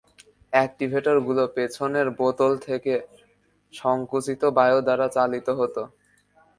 এক্টিভেটরগুলো পেছনের বোতল থেকে সংকুচিত বায়ু দ্বারা চালিত হতো।